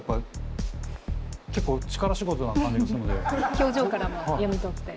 表情からも読み取って。